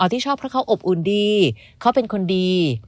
ที่ชอบเพราะเขาอบอุ่นดีเขาเป็นคนดี